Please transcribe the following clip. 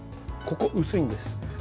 ここ薄いんです。